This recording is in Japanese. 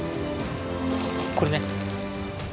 これね。